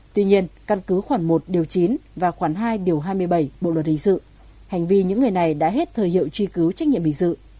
tuy nhiên căn cứ khoảng một điều chín và khoảng hai hai mươi bảy bộ luật hình sự hành vi những người này đã hết thời hiệu truy cứu trách nhiệm hình sự